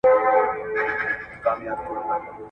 الهي قوانین تر بشري قوانینو غوره دي.